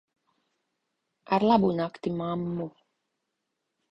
Ar labu nakti, mammu.